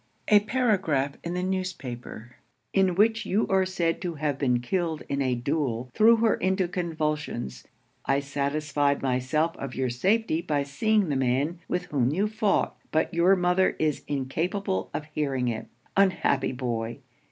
A paragraph in the newspaper, in which you are said to have been killed in a duel, threw her into convulsions. I satisfied myself of your safety by seeing the man with whom you fought, but your mother is incapable of hearing it. Unhappy boy!